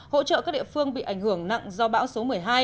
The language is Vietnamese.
hỗ trợ các địa phương bị ảnh hưởng nặng do bão số một mươi hai